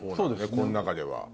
この中では。